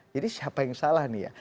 jadi siapa yang salah nih ya